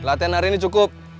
pelatihan hari ini cukup